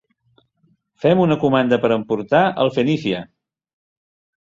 Fem una comanda per emportar al Fenicia!